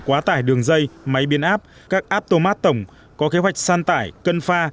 quá tải đường dây máy biến áp các aptomat tổng có kế hoạch san tải cân pha